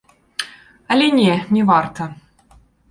Але не, не варта.